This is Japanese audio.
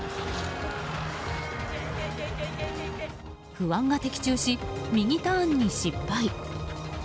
不安が的中し、右ターンに失敗。